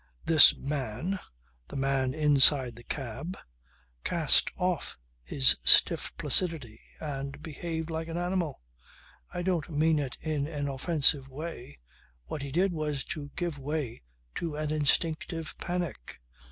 This man the man inside the cab cast oft his stiff placidity and behaved like an animal. I don't mean it in an offensive sense. What he did was to give way to an instinctive panic.